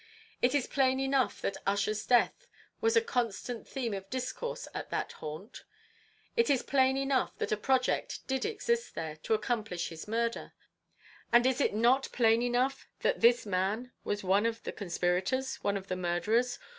It is plain enough that Ussher's death was a constant theme of discourse at that haunt; it is plain enough that a project did exist there to accomplish his murder; and is it not plain enough that this man was one of the conspirators one of the murderers?